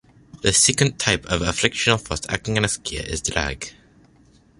The second type of frictional force acting on a skier is drag.